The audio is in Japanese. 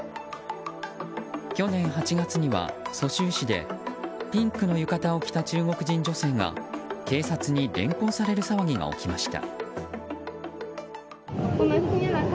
去年８月には、蘇州市でピンクの浴衣を着た中国人女性が警察に連行される騒ぎが起きました。